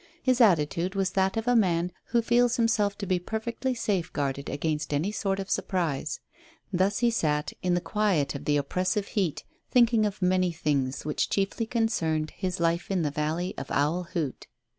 His attitude was that of a man who feels himself to be perfectly safe guarded against any sort of surprise. Thus he sat in the quiet of the oppressive heat thinking of many things which chiefly concerned his life in the valley of Owl Hoot.